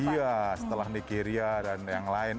iya setelah nigeria dan yang lain